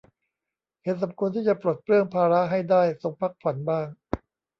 เห็นสมควรที่จะปลดเปลื้องภาระให้ได้ทรงพักผ่อนบ้าง